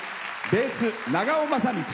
ベース、長尾雅道。